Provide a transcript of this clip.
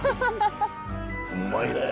うまいねえ。